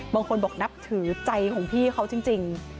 บางคนบอกนับถือใจของพี่เขาจริง